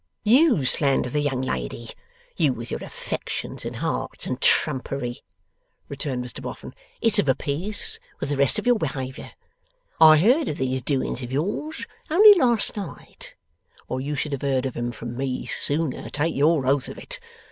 'YOU slander the young lady; you with your affections and hearts and trumpery,' returned Mr Boffin. 'It's of a piece with the rest of your behaviour. I heard of these doings of yours only last night, or you should have heard of 'em from me, sooner, take your oath of it.